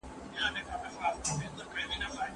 ولي هڅاند سړی د ذهین سړي په پرتله ژر بریالی کېږي؟